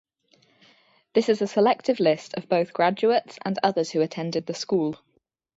This is a selective list of both graduates, and others who attended the school.